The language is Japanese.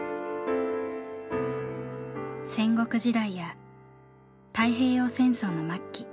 戦国時代や太平洋戦争の末期。